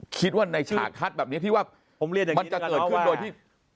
คิดว่าในฉากทัศน์แบบนี้ที่ว่ามันจะเกิดขึ้นโดยที่